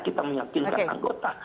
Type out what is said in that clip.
kita meyakinkan anggota